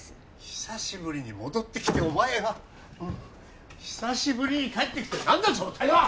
久しぶりに戻ってきてお前は久しぶりに帰ってきて何だその態度は！？